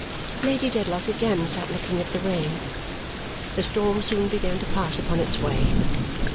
Lady Dedlock again sat looking at the rain. The storm soon began to pass upon its way.